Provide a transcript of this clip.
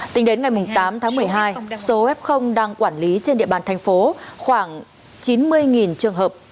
tính đến ngày tám tháng một mươi hai số f đang quản lý trên địa bàn thành phố khoảng chín mươi trường hợp